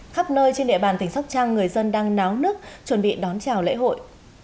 khắp nơi trên địa bàn tỉnh sóc trăng người dân đang náo nước chuẩn bị đón chào lễ hội